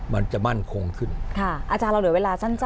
มันจะมั่นคงขึ้นค่ะอาจารย์เราเหลือเวลาสั้น